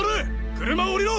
車を降りろ！